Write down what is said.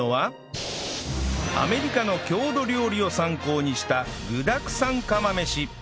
アメリカの郷土料理を参考にした具だくさん釜飯